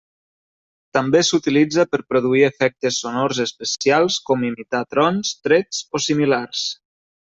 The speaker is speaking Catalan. També s'utilitza per produir efectes sonors especials com imitar trons, trets o similars.